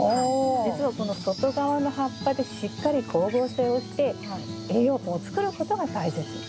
実は外側の葉っぱでしっかり光合成をして栄養分を作ることが大切。